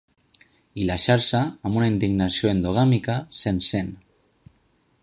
I la xarxa –amb una indignació endogàmica– s’encén.